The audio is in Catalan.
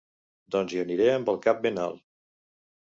Doncs hi aniré amb el cap ben alt.